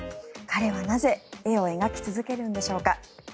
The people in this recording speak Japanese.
彼はなぜ絵を描き続けるんでしょうか。